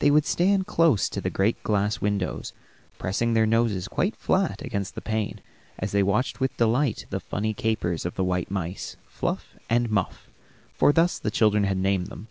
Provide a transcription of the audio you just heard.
They would stand close to the great glass window, pressing their noses quite flat against the pane, as they watched with delight the funny capers of the white mice, Fluff and Muff, for thus the children had named them.